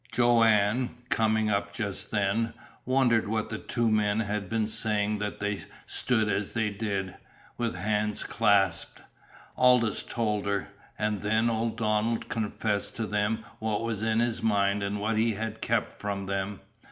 Joanne, coming up just then, wondered what the two men had been saying that they stood as they did, with hands clasped. Aldous told her. And then old Donald confessed to them what was in his mind, and what he had kept from them.